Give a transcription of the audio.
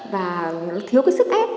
và thiếu cái sức ép